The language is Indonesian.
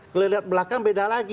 kalau lihat belakang beda lagi